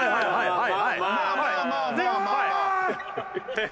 はい。